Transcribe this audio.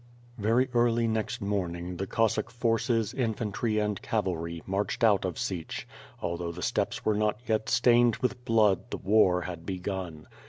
Very early next morning, the Cossack forces, infantry and cavalry, marched out of Sich; although the steppes were not yet stained with blood the war had begun.